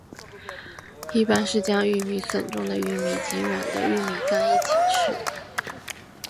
一般是将玉米笋中的玉米及软的玉米秆一起吃。